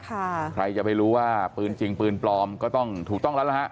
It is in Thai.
ใครจะไปรู้ว่าปืนจริงปืนปลอมก็ต้องถูกต้องแล้วล่ะฮะ